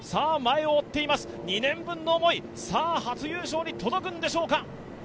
前を追っています、２年分の思い、初優勝に届くんでしょうか。